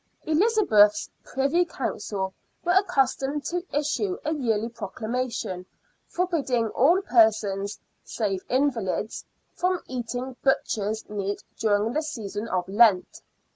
Elizabeth's Privy Council were accustomed to issue a yearly proclamation forbidding all persons, save invalids, from eating butchers' meat during the season of Lent.